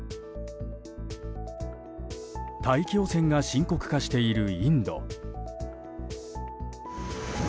大気汚染が深刻化しているインド。